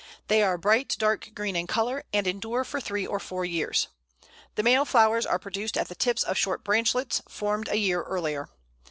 They are bright dark green in colour, and endure for three or four years. The male flowers are produced at the tips of short branchlets, formed a year earlier.